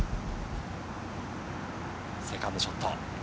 セカンドショット。